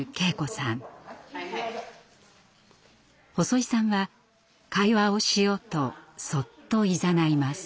細井さんは会話をしようとそっといざないます。